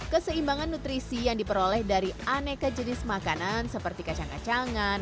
keseimbangan nutrisi yang diperoleh dari aneka jenis makanan seperti kacang kacangan